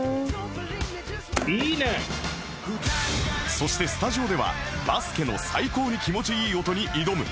そしてスタジオではバスケの最高に気持ちいい音に挑む